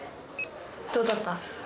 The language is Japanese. どうだった？